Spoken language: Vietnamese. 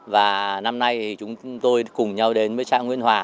và năm nay thì chúng tôi cùng nhau đến với xã nguyên hòa